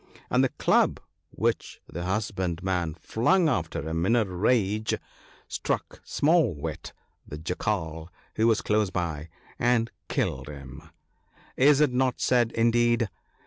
And the club which the hus bandman flung after him in a rage, struck Small wit, the Jackal (who was close by), and killed him. Is it not said, indeed